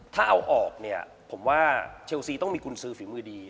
ถ้าเอาออกเนี่ยผมว่าเชลซีต้องมีกุญสือฝีมือดี